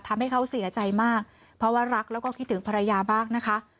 ทำให้เขาเสียใจมากเพราะว่ารักแล้วก็คิดถึงภรรยามากนะคะ